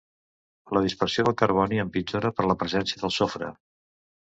La dispersió del carboni empitjora per la presència del sofre.